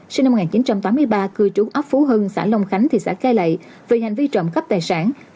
sinh năm một nghìn chín trăm tám mươi ba cư trú ấp phú hưng xã long khánh thị xã cai lệ về hành vi trộm cắp tài sản